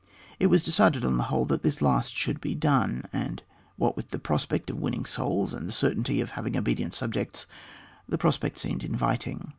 It was decided, on the whole, that this last should be done; and what with the prospect of winning souls, and the certainty of having obedient subjects, the prospect seemed inviting.